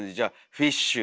フィッシュ。